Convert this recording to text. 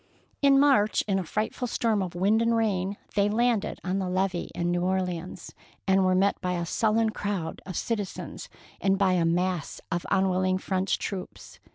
In March, in a frightful storm of wind and rain, they landed on the levee in New Orleans, and were met by a sullen crowd of citizens and by a mass of unwilling French troops.